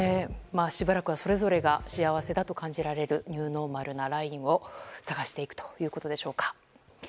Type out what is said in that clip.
しばらくはそれぞれが幸せと感じられるニューノーマルなラインを探していくということでしょうか。